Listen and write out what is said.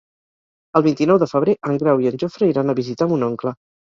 El vint-i-nou de febrer en Grau i en Jofre iran a visitar mon oncle.